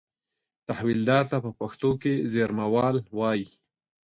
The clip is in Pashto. تحویلدار ته په پښتو کې زېرمهوال وایي.